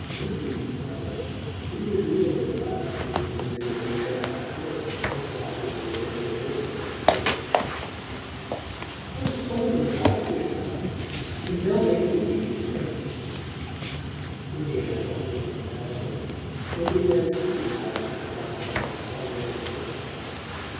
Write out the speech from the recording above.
Undine smiled: it was agreeable at last to be able to give Indiana a "point" as valuable as any of hers on divorce. "Oh, some of them are awfully attractive; and THEY'LL make you meet the Americans." Indiana caught this on the bound: one began to see why she had got on in spite of everything.